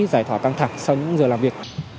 giải thỏa căng thẳng sau những giờ làm việc